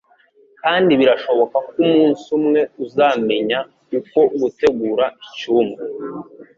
Kandi birashoboka ko umunsi umwe uzamenya uko gutegura icyumba